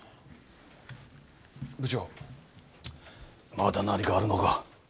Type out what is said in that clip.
まだ何かあるのか？